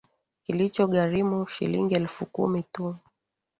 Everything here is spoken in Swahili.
Kinachogharimu shilingi elfu kumi tu?